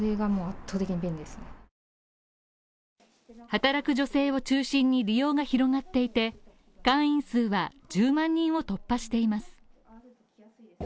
働く女性を中心に利用が広がっていて、会員数は１０万人を突破しています。